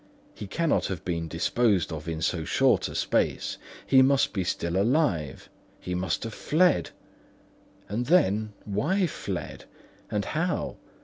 He cannot have been disposed of in so short a space; he must be still alive, he must have fled! And then, why fled? and how?